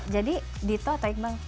jadi dito atau iqbal